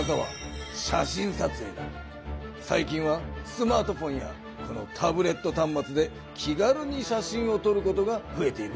さい近はスマートフォンやこのタブレットたんまつで気軽に写真を撮ることがふえているな。